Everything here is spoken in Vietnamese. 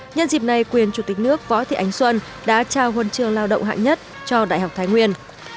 nhân dịp này quyền chủ tịch nước võ thị ánh xuân đã trao huân trường lao động hạng nhất cho đại học thái nguyên